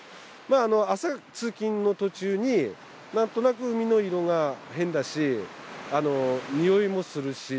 朝通勤の途中に、なんとなく海の色が変だし、臭いもするし。